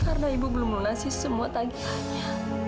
karena ibu belum melunasi semua tagihannya